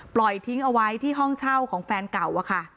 ปล่อยทิ้งเอาไว้ที่ห้องเช่าของแฟนเก่าอะค่ะ